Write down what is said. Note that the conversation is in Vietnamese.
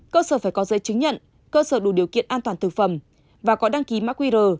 cơ sở phải có giấy chứng nhận cơ sở đủ điều kiện an toàn thực phẩm và có đăng ký mã qr